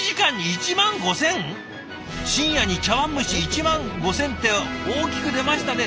深夜に茶碗蒸し１万５，０００って大きく出ましたね。